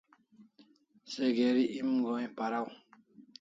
Se geri em go'in paraw